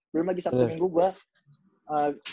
belum lagi sabtu minggu gue